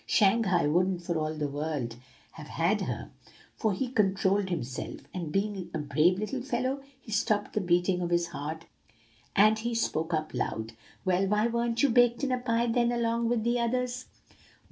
Shanghai wouldn't for all the world have had her; so he controlled himself, and, being a brave little fellow, he stopped the beating of his heart, and he spoke up loud: "'Well, why weren't you baked in a pie, then, along with the others?